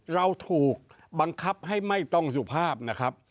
เราถูกบังคับให้ไม่ต้องสุภาพนะครับ